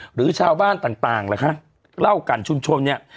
หรือชาวบ้านต่างล่ะคะเล่ากันชุมชนเนี่ย